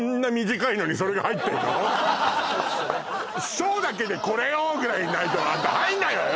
「ソ」だけで「これを」ぐらいないと入んないわよ